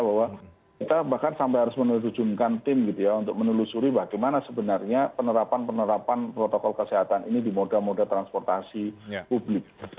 bahwa kita bahkan sampai harus menerjunkan tim gitu ya untuk menelusuri bagaimana sebenarnya penerapan penerapan protokol kesehatan ini di moda moda transportasi publik